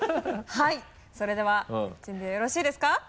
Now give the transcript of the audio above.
はいそれでは準備はよろしいですか？